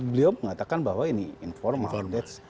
beliau mengatakan bahwa ini informal